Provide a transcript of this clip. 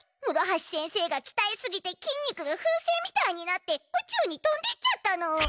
むろはし先生がきたえすぎてきん肉が風船みたいになってうちゅうにとんでっちゃったの。